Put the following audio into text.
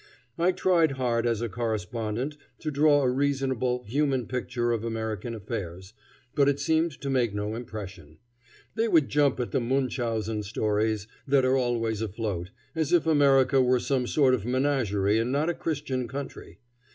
I tried hard as a correspondent to draw a reasonable, human picture of American affairs, but it seemed to make no impression. They would jump at the Munchausen stories that are always afloat, as if America were some sort of menagerie and not a Christian country.